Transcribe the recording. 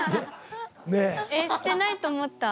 えしてないと思った。